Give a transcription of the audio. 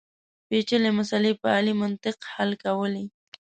پېچلې مسلې په عالي منطق حل کولې.